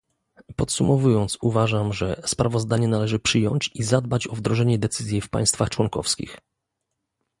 Podsumowując uważam, że sprawozdanie należy przyjąć i zadbać o wdrożenie decyzji w państwach członkowskich